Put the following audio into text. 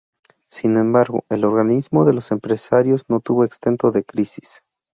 Sin embargo, el organismo de los empresarios no estuvo exento de crisis.